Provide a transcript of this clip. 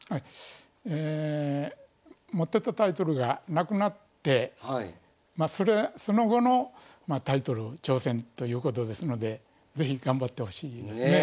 え持ってたタイトルがなくなってその後のタイトル挑戦ということですので是非頑張ってほしいですね。